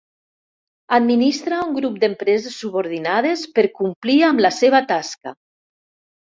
Administra a un grup d'empreses subordinades per complir amb la seva tasca.